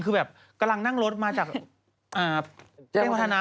คือแบบกำลังนั่งรถมาจากแจ้งวัฒนา